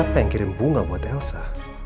siapa yang kirim bunga buat elsa